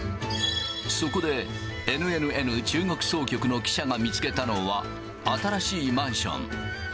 そこでＮＮＮ中国総局の記者が見つけたのは、新しいマンション。